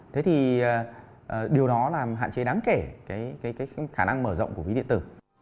thế thì điều đó làm hạn chế đáng kể cái khả năng mở rộng của ví điện tử